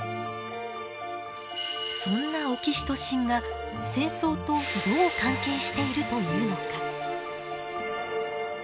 そんなオキシトシンが戦争とどう関係しているというのか。